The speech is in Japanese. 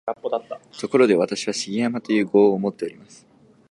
ところで、私は「重山」という号をもっております